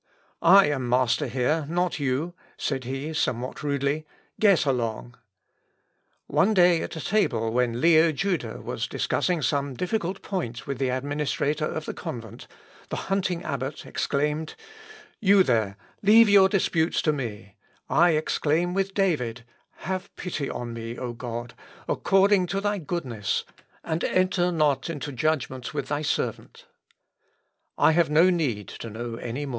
"I am master here, not you," said he, somewhat rudely; "get along." One day at table when Leo Juda was discussing some difficult point with the administrator of the convent, the hunting abbot exclaimed, "You, there, leave your disputes to me. I exclaim with David, 'Have pity on me, O God, according to thy goodness, and enter not into judgment with thy servant.' I have no need to know any more." Wirz, K. Gesch., iii, 363. Zuinglius Bildung, v. Schüler, p. 174. Miscell. Tigur.